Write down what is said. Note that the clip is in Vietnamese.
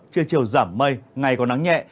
chưa chiều giảm mây ngày còn nắng nhẹ